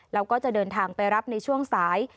แล้วก็จะเดินทางไปรับในช่วงสาย